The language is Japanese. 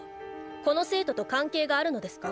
この生徒と関係があるのですか？